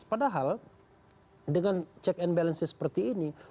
padahal dengan check and balance seperti ini